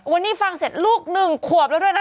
วันนี้ฟังเสร็จลูก๑ขวบแล้วด้วยนะ